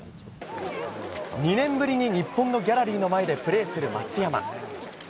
２年ぶりに日本のギャラリーの前でプレーする松山。